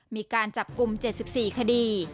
มีการจับกลุ่ม๗๔คดี